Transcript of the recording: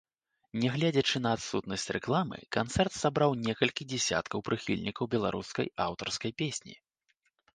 Нягледзячы на адсутнасць рэкламы, канцэрт сабраў некалькі дзесяткаў прыхільнікаў беларускай аўтарскай песні.